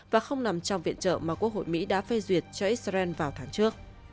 và không nằm trong viện trợ mà quốc hội mỹ đã phê duyệt cho israel vào tháng trước